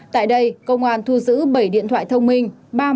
tại đây công an thu giữ bảy điện thoại thông minh